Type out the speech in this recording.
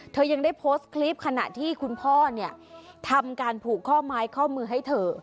ยังได้โพสต์คลิปขณะที่คุณพ่อเนี่ยทำการผูกข้อไม้ข้อมือให้เธอ